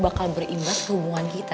bakal berimbas ke hubungan kita